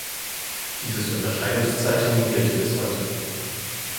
Dieses Unterscheidungszeichen gilt bis heute.